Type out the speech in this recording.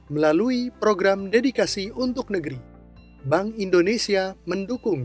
melalui program dedikasi untuk negeri bank indonesia mendukung